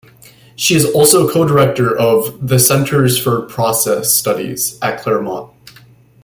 She is also co-director of the "Center for Process Studies" at Claremont.